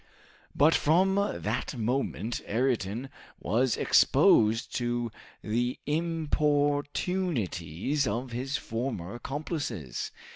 But from that moment Ayrton was exposed to the importunities of his former accomplices.